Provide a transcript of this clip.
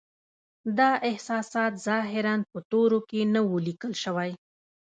دا احساس ظاهراً په تورو کې نه و لیکل شوی